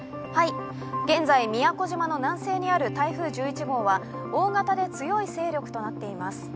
現在、宮古島の南西にある台風１１号は大型で強い勢力となっています。